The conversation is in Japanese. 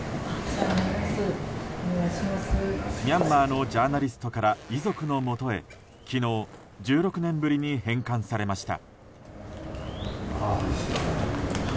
ミャンマーのジャーナリストから遺族のもとへ昨日１６年ぶりに返還されました。